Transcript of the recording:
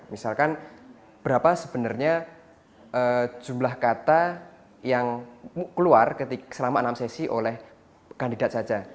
misalkan berapa sebenarnya jumlah kata yang keluar selama enam sesi oleh kandidat saja